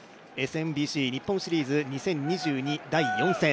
ＳＭＢＣ日本シリーズ２０２２第４戦。